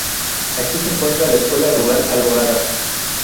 Aquí se encuentra la Escuela Rural Alborada.